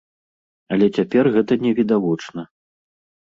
Але цяпер гэта не відавочна.